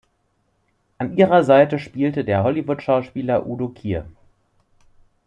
An ihrer Seite spielte der Hollywood-Schauspieler Udo Kier.